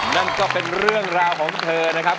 นั่นก็เป็นเรื่องราวของเธอนะครับ